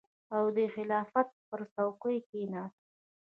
او د خلافت پر څوکۍ کېناست.